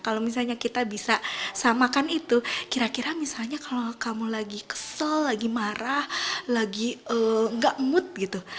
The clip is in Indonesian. kalau misalnya kita bisa samakan itu kira kira misalnya kalau kamu lagi kesel lagi marah lagi gak mood gitu